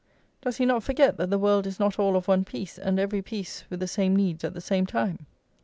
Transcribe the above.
does he not forget that the world is not all of one piece, and every piece with the same needs at the same time?